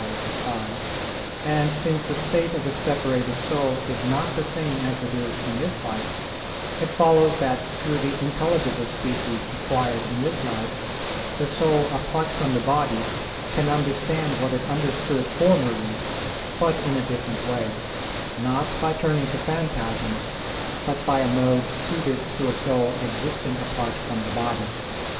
5), and since the state of the separated soul is not the same as it is in this life, it follows that through the intelligible species acquired in this life the soul apart from the body can understand what it understood formerly, but in a different way; not by turning to phantasms, but by a mode suited to a soul existing apart from the body.